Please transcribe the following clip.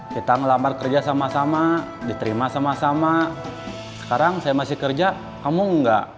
kita ngelamar kerja sama sama diterima sama sama sekarang saya masih kerja kamu enggak